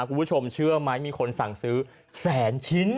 คุณผู้ชมเชื่อไหมมีคนสั่งซื้อแสนชิ้น